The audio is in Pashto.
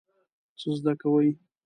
څه زده کوئ؟